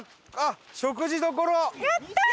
やったー！